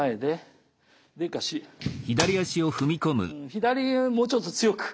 左もうちょっと強く。